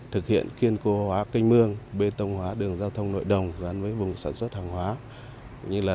thực hiện kiên cố hóa kênh mương bê tông hóa đường giao thông nội đồng gắn với vùng sản xuất hàng hóa như là